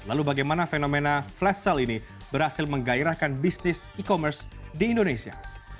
lalu bagaimana fenomena flash sale ini berhasil menggairahkan bisnis e commerce di indonesia